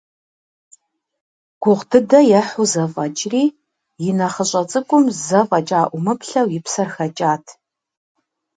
Гугъу дыдэ ехьу зэфӀэкӀри, и нэхъыщӀэ цӀыкӀум зэ фӀэкӀа Ӏумыплъэу и псэр хэкӀат.